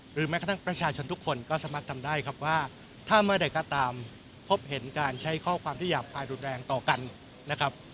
แม้กระทั่งประชาชนทุกคนก็สามารถทำได้ครับว่าถ้าเมื่อใดก็ตามพบเห็นการใช้ข้อความที่หยาบคายรุนแรงต่อกันนะครับ